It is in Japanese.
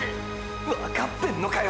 わかってんのかよ！！